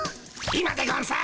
今でゴンス。